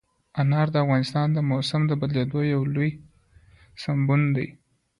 انار د افغانستان د موسم د بدلون یو له لویو سببونو ده.